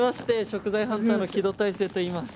食材ハンターの木戸大聖といいます。